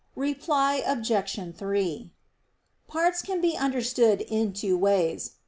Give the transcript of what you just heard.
Reply Obj. 3: Parts can be understood in two ways.